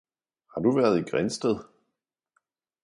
Har du været i Grindsted